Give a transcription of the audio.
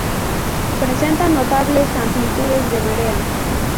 Presenta notables amplitudes de marea.